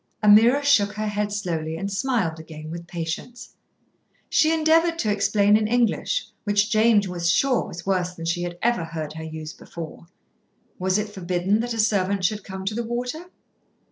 Ameerah shook her head slowly, and smiled again with patience. She endeavoured to explain in English which Jane was sure was worse than she had ever heard her use before. Was it forbidden that a servant should come to the water?